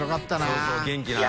そうそう元気なね。